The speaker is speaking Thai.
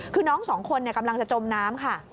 คือน้องสองคนกำลังจะจมน้ำค่ะ